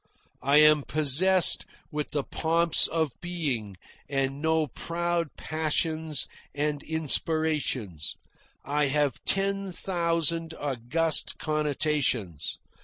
I am possessed with the pomps of being, and know proud passions and inspirations. I have ten thousand august connotations.